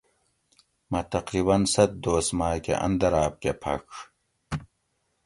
مہ تقریباً ست دوس مائ کہ اندراپ کہ پھڄ